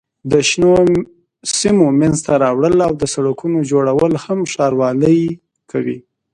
د شنو سیمو منځته راوړل او د سړکونو جوړول هم ښاروالۍ کوي.